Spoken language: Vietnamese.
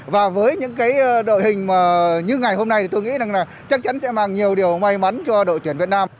và với những đội hình như ngày hôm nay tôi nghĩ chắc chắn sẽ mang nhiều điều may mắn cho đội tuyển việt nam